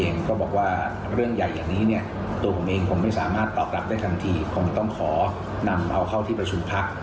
ในทางที่คงต้องขอนำเอาเข้าที่ประชุมพักษณ์